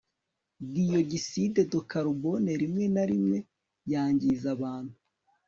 dioxyde de carbone rimwe na rimwe yangiza abantu